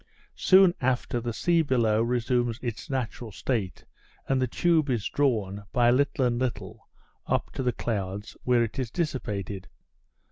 Soon after the sea below resumes its natural state, and the tube is drawn, by little and little, up to the clouds, where it is dissipated.